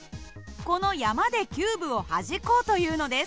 この山でキューブをはじこうというのです。